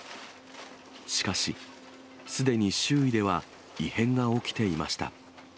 しかし、すでに周囲では異変が起きていました。